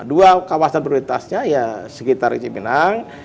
dua kawasan prioritasnya ya sekitar cipinang